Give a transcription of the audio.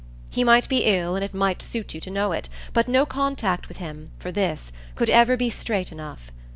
He might be ill and it might suit you to know it, but no contact with him, for this, could ever be straight enough.